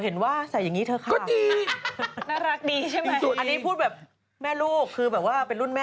อันนี้ส่วนตัวนะครับด้านผู้ชม